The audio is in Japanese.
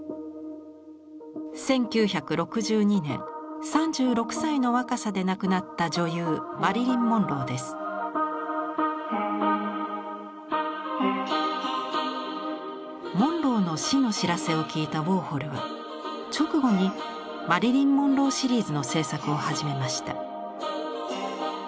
１９６２年３６歳の若さで亡くなった女優モンローの死の知らせを聞いたウォーホルは直後にマリリン・モンローシリーズの制作を始めました。